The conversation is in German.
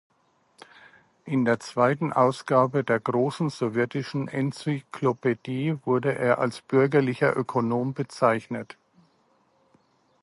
In der zweiten Ausgabe der "Großen Sowjetischen Enzyklopädie" wurde er als „bürgerlicher Ökonom“ bezeichnet.